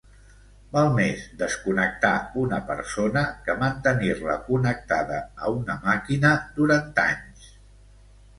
Val més desconnectar una persona que mantenir-la connectada a una màquina durant anys.